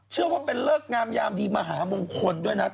เชื่อว่าเป็นเลิกงามยามดีมหามงคลด้วยนะ